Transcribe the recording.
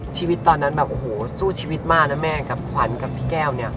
ชีวิตตอนนั้นแบบโอ้โหสู้ชีวิตมากนะแม่กับขวัญกับพี่แก้วเนี่ย